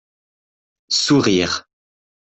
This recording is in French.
Sourires.